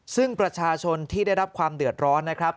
ซึ่งประชาชนที่ได้รับความเดือดร้อนนะครับ